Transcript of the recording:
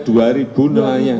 ada dua ribu nelayan